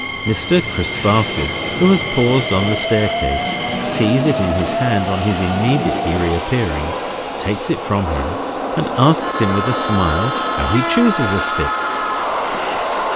Mr. Crisparkle, who has paused on the staircase, sees it in his hand on his immediately reappearing, takes it from him, and asks him with a smile how he chooses a stick?